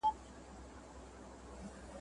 رسنۍ د نړۍ خبرونه خپروي.